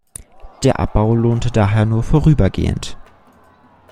Der Abbau lohnte daher nur vorübergehend.